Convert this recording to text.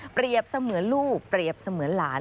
เสมือนลูกเปรียบเสมือนหลาน